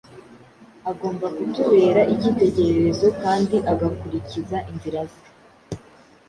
Agomba kutubera icyitegererezo kandi ugakurikiza inzira ze.